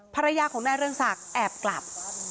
ภรรยาของนายเรืองศักดิ์แอบกลับ